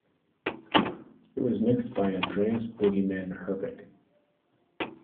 It was mixed by Andreas "Boogieman" Herbig.